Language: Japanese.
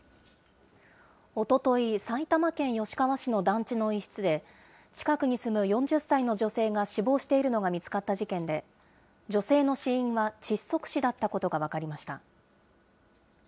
おととい、埼玉県吉川市の団地の一室で、近くに住む４０歳の女性が死亡しているのが見つかった事件で、女性の死因は窒息死だったことが分かりました。